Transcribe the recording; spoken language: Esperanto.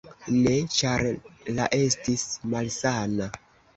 Ne, ĉar la estis malsana.